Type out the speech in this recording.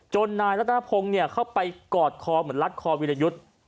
นายรัฐพงศ์เข้าไปกอดคอเหมือนรัดคอวิรยุทธ์